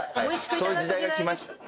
そういう時代が来ました。